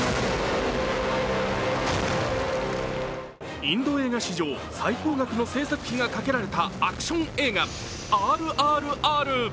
インド映画史上最高額の製作費がかけられたアクション映画、「ＲＲＲ」。